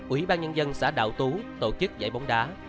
ủy ban nhân dân xã đạo tú tổ chức giải bóng đá